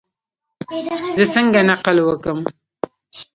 زه څنګه نقل وکم؟